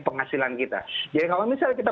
penghasilan kita jadi kalau misalnya kita